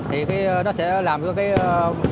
hợp tiết khá đẹp